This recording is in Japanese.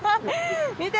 見て！